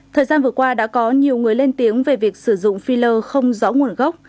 thời gian vừa qua đã có nhiều người lên tiếng về việc sử dụng filler không rõ nguồn gốc